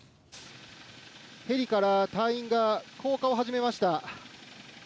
ヘリから隊員が降下を始めました。